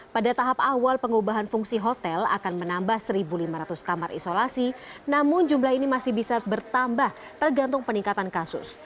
pada tahap awal pengubahan fungsi hotel akan menambah satu lima ratus kamar isolasi namun jumlah ini masih bisa bertambah tergantung peningkatan kasus